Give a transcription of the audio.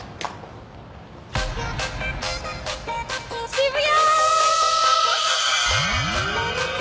渋谷！